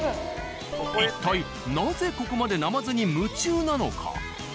一体なぜここまでなまずに夢中なのか。